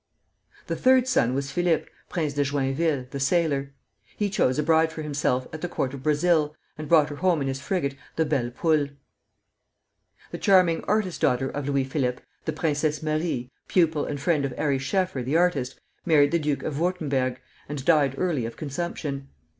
The third son was Philippe, Prince de Joinville, the sailor. He chose a bride for himself at the court of Brazil, and brought her home in his frigate, the "Belle Poule." The charming artist daughter of Louis Philippe, the Princess Marie, pupil and friend of Ary Scheffer, the artist, married the Duke of Würtemberg, and died early of consumption.